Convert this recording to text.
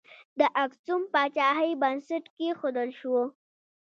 د اکسوم پاچاهۍ بنسټ کښودل شو.